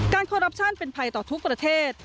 คอรัปชั่นเป็นภัยต่อทุกประเทศ